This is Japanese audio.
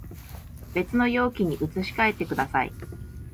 別の容器に移し替えてください